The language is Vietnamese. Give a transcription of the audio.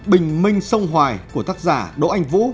bình minh sông hoài của tác giả đỗ anh vũ